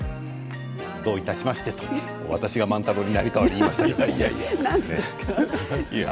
どういたしましてと私が万太郎に成り代わりまして言いました。